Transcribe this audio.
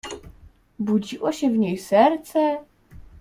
"Budziło się w niej serce?"